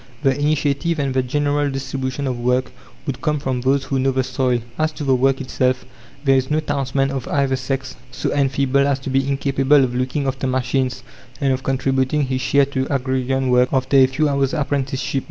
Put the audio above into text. The initiative and the general distribution of work would come from those who know the soil. As to the work itself, there is no townsman of either sex so enfeebled as to be incapable of looking after machines and of contributing his share to agrarian work after a few hours' apprenticeship.